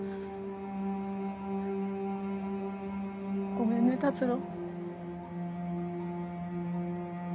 ごめんね辰郎。